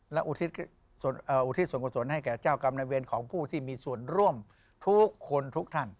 และอุทิศส่วนกุศลให้แก่เจ้ากรรมในเวรของผู้ที่มีส่วนร่วมทุกคนทุกท่าน